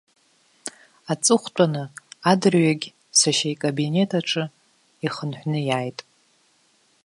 Аҵыхәтәаны, адырҩегь сашьа икабинет аҿы ихынҳәны иааит.